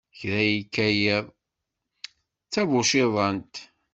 Kra yekka yiḍ, d tabuciḍant.